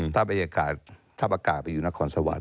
ทัพอากาศไปอยู่นครสวรรค์